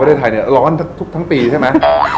เพราะประเทศไทยร้อนทั้งปีใช่ไหม